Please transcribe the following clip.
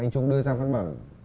anh trung đưa ra văn bản